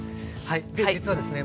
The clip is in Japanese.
で実はですね